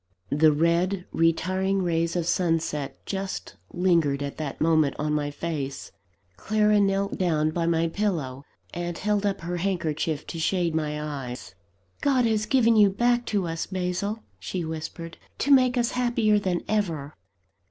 The red, retiring rays of sunset just lingered at that moment on my face. Clara knelt down by my pillow, and held up her handkerchief to shade my eyes "God has given you back to us, Basil," she whispered, "to make us happier than ever."